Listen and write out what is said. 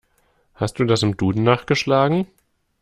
Hast du das im Duden nachgeschlagen?